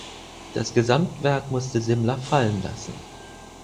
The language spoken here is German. Das Gesamtwerk musste Simmler fallen lassen.